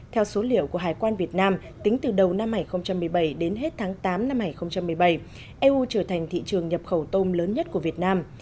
theo số liệu của hải quan việt nam tính từ đầu năm hai nghìn một mươi bảy đến hết tháng tám năm hai nghìn một mươi bảy eu trở thành thị trường nhập khẩu tôm lớn nhất của việt nam